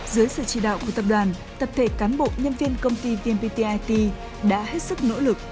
dưới sự chỉ đạo của tập đoàn tập thể cán bộ nhân viên công ty vnpt it đã hết sức nỗ lực